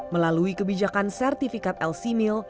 melalui kebijakan sertifikat lc mil